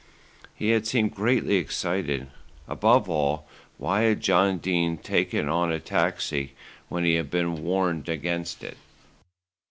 He had seemed greatly excited. Above all, why had John Dene taken a taxi when he had been warned against it?